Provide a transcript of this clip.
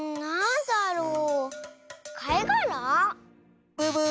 んなんだろう。